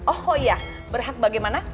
oh iya berhak bagaimana